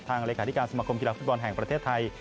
เลขาธิการสมคมกีฬาฟุตบอลแห่งประเทศไทย